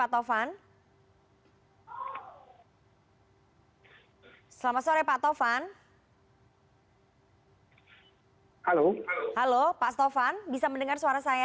halo pak tovan bisa mendengar suara saya